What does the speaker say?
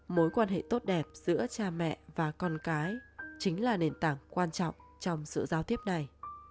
mối quan hệ tốt đẹp giữa cha mẹ và con cái chính là nền tảng quan trọng trong sự giao tiếp này